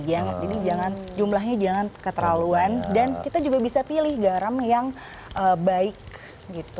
jadi jumlahnya jangan keterlaluan dan kita juga bisa pilih garam yang baik gitu